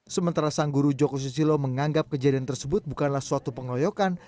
sementara sang guru joko susilo menganggap kejadian tersebut bukanlah suatu pengoyokan